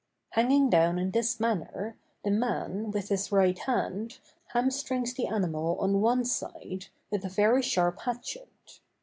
Hanging down in this manner, the man, with his right hand, hamstrings the animal on one side, with a very sharp hatchet.